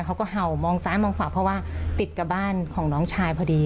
เขาก็เห่ามองซ้ายมองขวาเพราะว่าติดกับบ้านของน้องชายพอดี